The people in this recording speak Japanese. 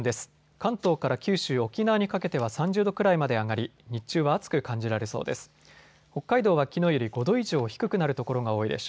関東から九州、沖縄にかけては３０度くらいまで上がり日中は暑く感じられそうです。